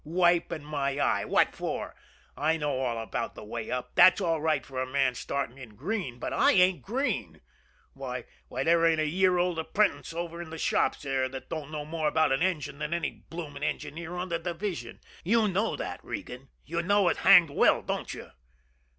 Wiping, my eye! What for? I know all about the way up. That's all right for a man starting in green; but I ain't green. Why, there ain't a year old apprentice over in the shops there that don't know more about an engine than any blooming engineer on the division. You know that, Regan you know it hanged well, don't you?"